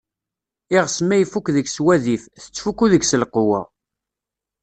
Iɣes ma ifukk deg-s wadif, tettfukku deg-s lqewwa.